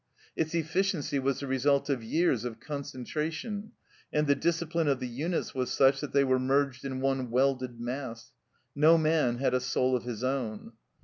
Its efficiency was the result of years of concentration, and the discipline of the units was such that they were merged in one welded mass ; no man had a soul of his own.